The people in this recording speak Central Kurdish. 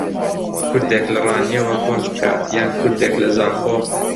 کوردێک لە ڕانیەوە کۆچ بکات یان کوردێک لە زاخۆ